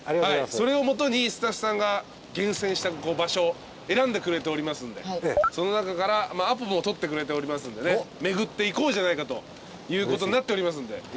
それを基にスタッフさんが厳選した場所選んでくれておりますんでその中からアポも取ってくれておりますんでね巡っていこうじゃないかということになっておりますので。